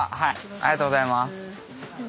ありがとうございます。